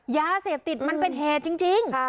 ยาเสพติดมันเป็นเหตุจริง